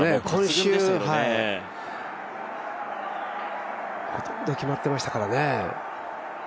今週、ほとんど決まってましたからね。